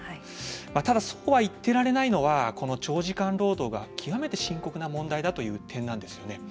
ただ、そうは言ってられないのは長時間労働が極めて深刻な問題だという点なんですよね。